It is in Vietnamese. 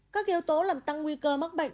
các yếu tố làm tăng nguy cơ mắc bệnh